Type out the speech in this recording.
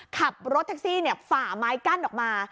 ขับรถแท็กซี่ฝ่าไม้กั้นออกมา